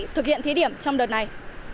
thực hiện thí điểm trong đợt này